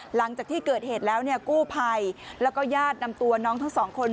หลังจากที่เกิดเหตุแล้วเนี่ยกู้ภัยแล้วก็ญาตินำตัวน้องทั้งสองคน